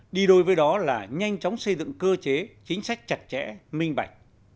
đi đôi với đó là nhanh chóng xây dựng cơ chế chính sách chặt chẽ minh bạch